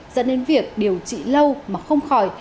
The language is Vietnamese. dẫn đến việc điều trị lâu mà không khỏi